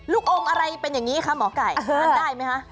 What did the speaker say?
ลูกองค์อะไรเป็นอย่างนี้คะหมอไก่ทานได้ไหมคะ